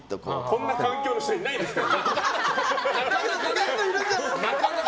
こんな環境の人いないですよ。